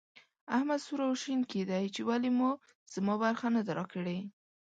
احمد سور او شين کېدی چې ولې مو زما برخه نه ده راکړې.